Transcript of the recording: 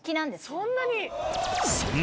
そんなに？